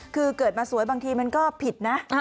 คือเกิดมาสวยบางทีมันก็ผิดนะ